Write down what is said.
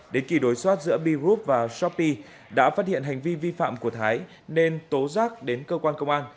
đến kỳ đối soát giữa b group và shopee đã phát hiện hành vi vi phạm của thái nên tố giác đến cơ quan công an